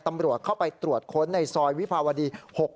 ตำรวจเข้าไปตรวจค้นในซอยวิภาวดี๖๖